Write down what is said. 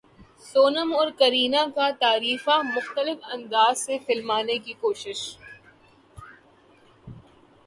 سونم اور کرینہ کا تعریفاں مختلف انداز سے فلمانے کی کوشش